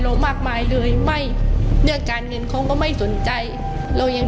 เรามากมายเลยไม่เรื่องการเงินเขาก็ไม่สนใจเรายัง